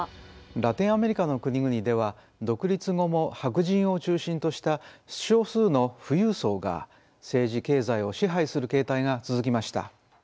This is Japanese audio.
ラテンアメリカの国々では独立後も白人を中心とした少数の富裕層が政治経済を支配する形態が続きました。